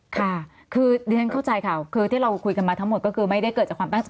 ค่ะคือดิฉันเข้าใจค่ะคือที่เราคุยกันมาทั้งหมดก็คือไม่ได้เกิดจากความตั้งใจ